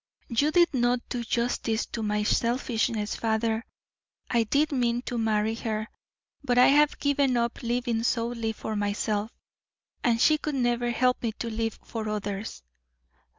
"You did not do justice to my selfishness, father. I did mean to marry her, but I have given up living solely for myself, and she could never help me to live for others.